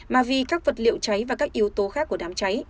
mà vì các vật liệu cháy và các yếu tố khác